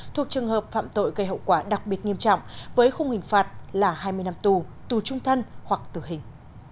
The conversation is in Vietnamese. thuộc trường hợp phạm tội gây hậu quả đặc biệt nghiêm trọng với khung hình phạt là hai mươi năm tù tù trung thân hoặc tử hình